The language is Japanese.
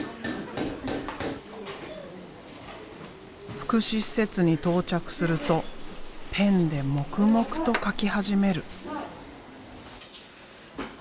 福祉施設に到着するとペンで黙々と書き始める。